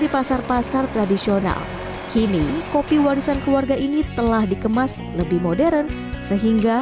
di pasar pasar tradisional kini kopi warisan keluarga ini telah dikemas lebih modern sehingga